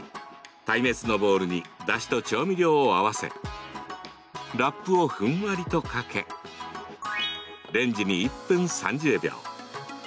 耐熱のボウルにだしと調味料を合わせラップをふんわりとかけレンジに１分３０秒。